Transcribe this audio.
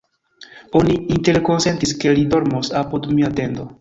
Oni interkonsentis, ke li dormos apud mia tendo.